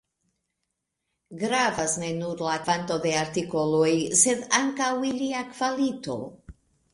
Gravas ne nur la kvanto de artikoloj, sed ankaŭ ilia kvalito.